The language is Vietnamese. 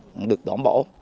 cũng được đón bỏ